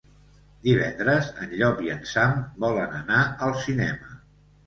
Divendres en Llop i en Sam volen anar al cinema.